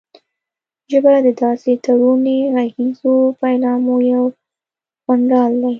ژبه د داسې تړوني غږیزو پيلامو یو غونډال دی